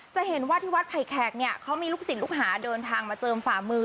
จะเห็นว่าที่วัดไผ่แขกเนี่ยเขามีลูกศิษย์ลูกหาเดินทางมาเจิมฝ่ามือ